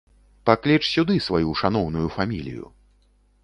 Пакліч сюды сваю шаноўную фамілію.